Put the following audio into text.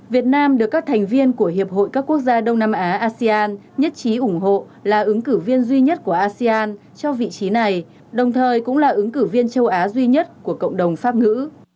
việt nam được các thành viên của hiệp hội các quốc gia đông nam á asean nhất trí ủng hộ là ứng cử viên duy nhất của asean cho vị trí này đồng thời cũng là ứng cử viên châu á duy nhất của cộng đồng pháp ngữ